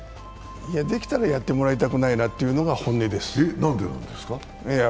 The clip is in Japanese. できたらやってもらいたくないなというのが本音です。